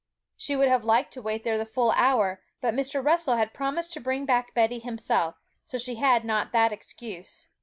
She would have liked to wait there the full hour, but Mr. Russell had promised to bring back Betty himself; so she had not that excuse.